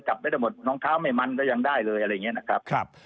จับไม่ได้หมดรองเท้าไม่มันก็ยังได้เลยอะไรอย่างนี้นะครับ